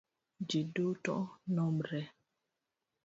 Ji duto romre